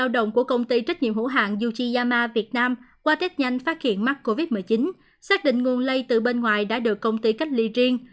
do tết nhanh phát hiện mắc covid một mươi chín xác định nguồn lây từ bên ngoài đã được công ty cách ly riêng